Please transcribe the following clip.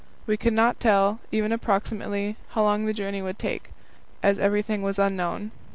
We could not tell, even approximately, how long the journey would take, as everything was unknown.